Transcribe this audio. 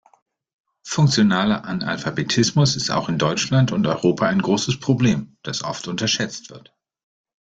Funktionaler Analphabetismus ist auch in Deutschland und Europa ein großes Problem, das oft unterschätzt wird.